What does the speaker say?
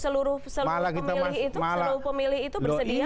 seluruh seluruh pemilih itu bersedia